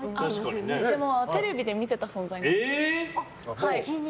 でも、テレビで見てた存在なんです。